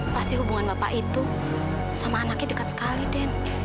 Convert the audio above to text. pasti hubungan bapak itu sama anaknya dekat sekali den